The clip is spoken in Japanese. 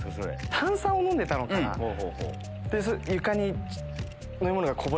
炭酸を飲んでたのかな。